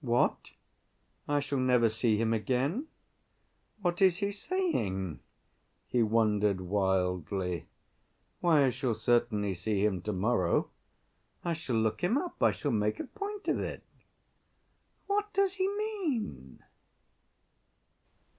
"What? I shall never see him again! What is he saying?" he wondered wildly. "Why, I shall certainly see him to‐morrow. I shall look him up. I shall make a point of it. What does he mean?"